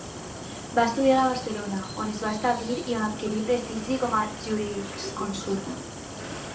Va estudiar a Barcelona, on es va establir i on adquirí prestigi com a jurisconsult.